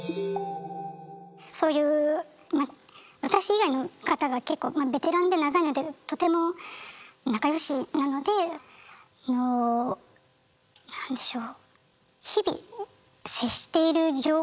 そういう私以外の方が結構ベテランで長いのでとても仲よしなのであのなんでしょう。